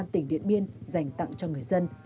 các đối tượng công an tỉnh điện biên dành tặng cho người dân